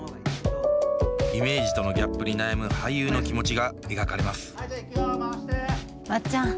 イメージとのギャップに悩む俳優の気持ちが描かれますまっちゃん。